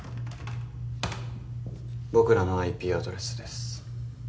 僕らのＩＰアドレスです